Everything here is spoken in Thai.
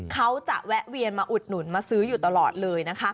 เขาจะแวะเวียนมาอุดหนุนมาซื้ออยู่ตลอดเลยนะคะ